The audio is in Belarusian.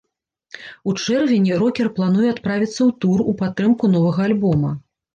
У чэрвені рокер плануе адправіцца ў тур у падтрымку новага альбома.